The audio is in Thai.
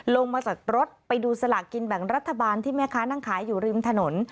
ลงมาจากรถไปดูสลากกินแบ่งรัฐบาลที่แม่ค้านั่งขายอยู่ริมถนน